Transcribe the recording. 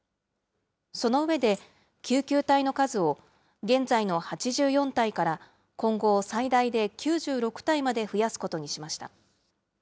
その上で、救急隊の数を、現在の８４隊から今後、最大で９６隊まで増やすことにしました。